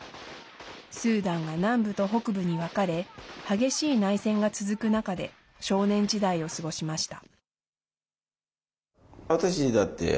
スーダンが南部と北部に分かれ激しい内戦が続く中で少年時代を過ごしました。